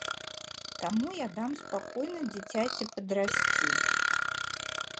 Таму я дам спакойна дзіцяці падрасці.